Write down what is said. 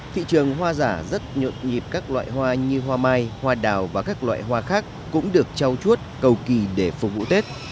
thị trường hoa giả rất nhộn nhịp các loại hoa như hoa mai hoa đào và các loại hoa khác cũng được trao chuốt cầu kỳ để phục vụ tết